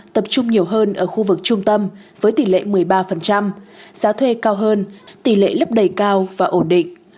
tập trung nhiều hơn ở khu vực trung tâm với tỷ lệ một mươi ba giá thuê cao hơn tỷ lệ lấp đầy cao và ổn định